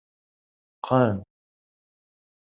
Qqen.